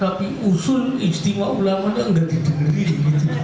tapi usul ijtima ulama nya enggak diterima